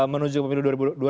menuju pemilu dua ribu dua puluh